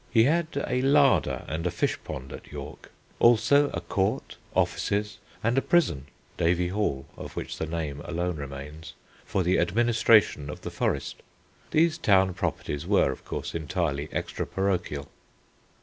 He had a larder and a fish pond at York; also a court, offices, and a prison (Davy Hall, of which the name alone remains) for the administration of the forest. These town properties were, of course, entirely extra parochial.